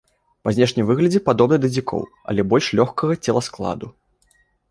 Па знешнім выглядзе падобны да дзікоў, але больш лёгкага целаскладу.